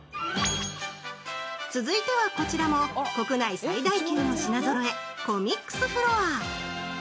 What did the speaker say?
続いては、こちらも国内最大級の品ぞろえ、コミックスフロア。